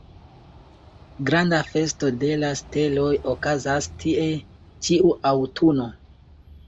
Granda festo de la steloj okazas tie ĉiu aŭtuno.